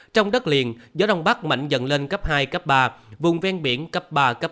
trong đất liền gió đông bắc mạnh dần lên cấp hai ba vùng ven biển cấp ba bốn